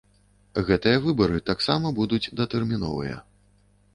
Гэтыя выбары таксама будуць датэрміновыя.